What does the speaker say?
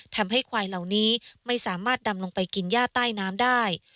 ทำให้ควายเหล่านี้ไม่สามารถดำลงไปกินย่าใต้น้ำได้